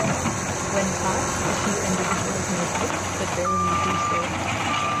When caught, a few individuals may bite, but rarely do so.